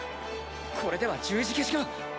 これでは十字消しが！